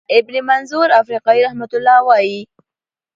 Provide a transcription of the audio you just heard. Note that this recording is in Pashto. ابن منظور افریقایی رحمه الله وایی،